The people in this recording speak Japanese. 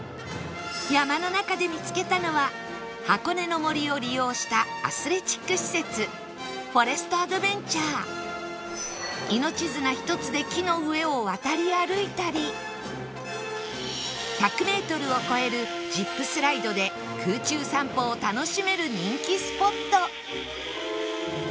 山の中で見つけたのは箱根の森を利用したアスレチック施設命綱１つで木の上を渡り歩いたり１００メートルを超えるジップスライドで空中散歩を楽しめる人気スポット